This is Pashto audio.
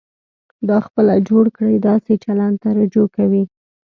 دا خپله جوړ کړي داسې چلند ته رجوع کوي.